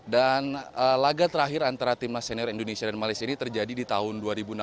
dan laga terakhir antara tim nasional indonesia dan malaysia ini terjadi di tahun dua ribu enam belas